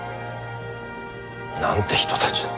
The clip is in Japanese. なんて人たちだ。